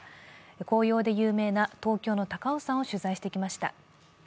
紅葉で有名な東京の高尾山を取材してきました。